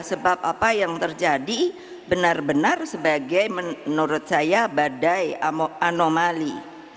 sebab apa yang terjadi benar benar sebagai menurut saya badai anomali